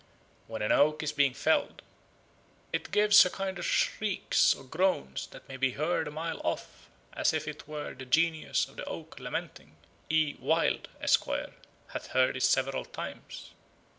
When an oak is being felled "it gives a kind of shriekes or groanes, that may be heard a mile off, as if it were the genius of the oake lamenting. E. Wyld, Esq., hath heard it severall times."